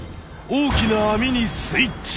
大きなアミにスイッチ。